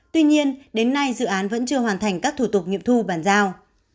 tuy nhiên đến nay dự án vẫn chưa hoàn thành các thủ tục nghiệm thu bàn giao